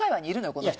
この人。